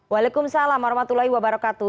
waalaikumsalam armatullahi wabarakatuh